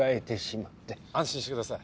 安心してください。